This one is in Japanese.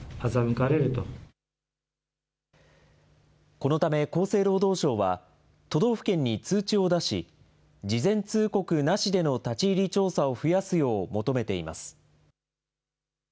このため厚生労働省は、都道府県に通知を出し、事前通告なしでの立ち入り調査を増やすよう求めています。